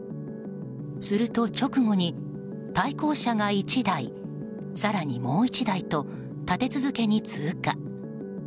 すると直後に、対向車が１台更にもう１台と、立て続けに通過。